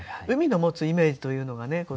海の持つイメージというのがね